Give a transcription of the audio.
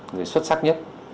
người xuất sắc nhất